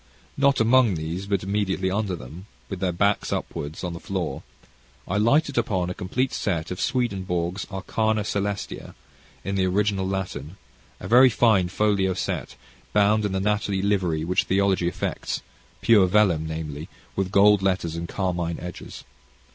Not among these, but immediately under them, with their backs upward, on the floor, I lighted upon a complete set of Swedenborg's "Arcana Caelestia," in the original Latin, a very fine folio set, bound in the natty livery which theology affects, pure vellum, namely, gold letters, and carmine edges.